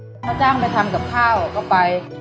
เขาจ้างไปทำกับข้าวก็ไป